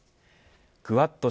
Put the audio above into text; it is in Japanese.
クアッド